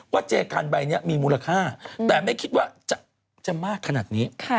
เจคันใบนี้มีมูลค่าแต่ไม่คิดว่าจะมากขนาดนี้